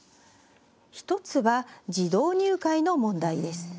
１つは、自動入会の問題です。